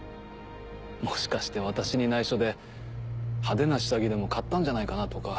もしかして私に内緒で派手な下着でも買ったんじゃないかなとか。